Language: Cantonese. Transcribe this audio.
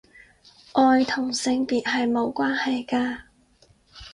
愛同性別係無關係㗎